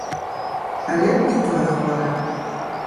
Але і тое хворае.